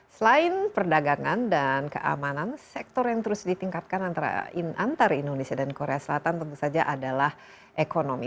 selain perdagangan dan keamanan sektor yang terus ditingkatkan antara indonesia dan korea selatan tentu saja adalah ekonomi